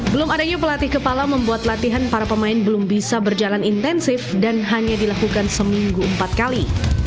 belum adanya pelatih kepala membuat latihan para pemain belum bisa berjalan intensif dan hanya dilakukan seminggu empat kali